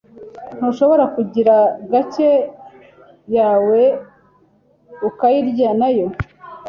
Ntushobora kugira cake yawe ukayirya, nayo.